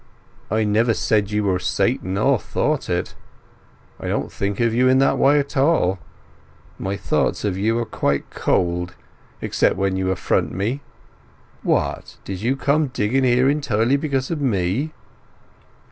"I never said you were Satan, or thought it. I don't think of you in that way at all. My thoughts of you are quite cold, except when you affront me. What, did you come digging here entirely because of me?"